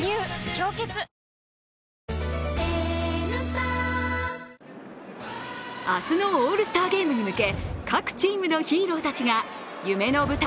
「氷結」明日のオールスターゲームに向け各チームのヒーローたちが夢の舞台